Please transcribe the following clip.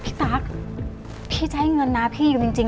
พี่ตั๊กพี่จะให้เงินนาพี่ยืมจริงจริง